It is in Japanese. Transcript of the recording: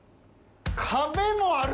壁もある！